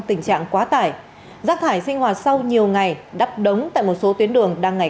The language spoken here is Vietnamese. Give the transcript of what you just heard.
tình trạng quá tải rác thải sinh hoạt sau nhiều ngày đắp đống tại một số tuyến đường đang ngày